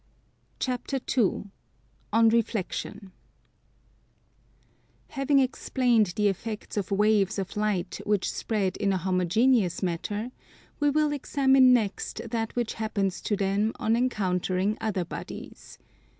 CHAPTER II ON REFLEXION Having explained the effects of waves of light which spread in a homogeneous matter, we will examine next that which happens to them on encountering other bodies.